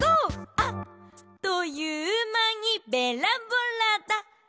「あっというまにベラボラだヘイ」